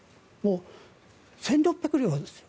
１６００両ですよ。